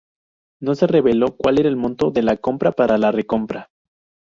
No se reveló cuál era el monto de la compra para la recompra.